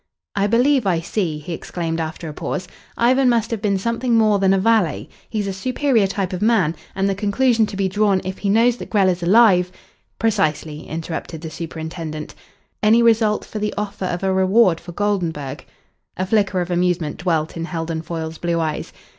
"I believe I see," he exclaimed after a pause. "Ivan must have been something more than a valet. He's a superior type of man, and the conclusion to be drawn if he knows that Grell is alive " "Precisely," interrupted the superintendent. "Any result from the offer of a reward for Goldenburg?" A flicker of amusement dwelt in Heldon Foyle's blue eyes.